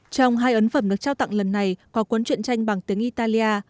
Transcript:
trong hai ấn phẩm được trao tặng lần này có cuốn truyện tranh bằng tiếng italia